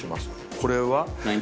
これは？